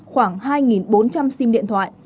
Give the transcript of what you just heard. khoảng hai bốn trăm linh sim điện thoại